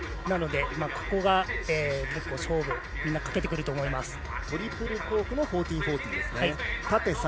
なので、ここで勝負をかけてくると思います。